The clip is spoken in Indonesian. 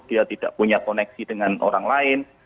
dia tidak punya koneksi dengan orang lain